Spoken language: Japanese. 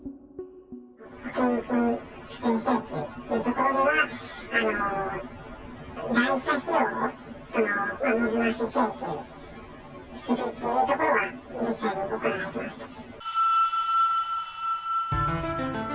保険金不正請求というところでは、代車費用を水増し請求するというところは、実際に行われてましたね。